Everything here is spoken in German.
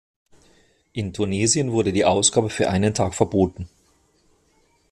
In Tunesien wurde die Ausgabe für einen Tag verboten.